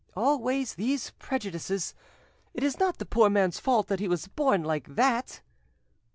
"Always these prejudices! It is not the poor man's fault that he was born like that."